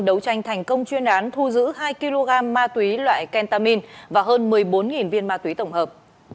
đấu tranh thành công chuyên án thu giữ hai kg ma túy loại kentamin và hơn một mươi bốn viên ma túy tổng hợp